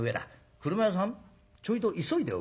『車屋さんちょいと急いでおくれ。